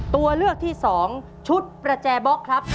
ตัวเลือกที่๒ชุดประแจบล็อกครับ